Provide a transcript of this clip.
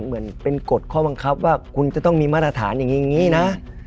เหมือนเป็นกฎข้อบังคับว่าคุณจะต้องมีมาตรฐานอย่างนี้นะ